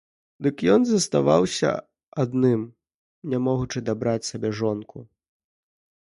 Дык ён так заставаўся адным, не могучы дабраць сабе жонкі.